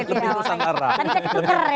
itu diurusan darah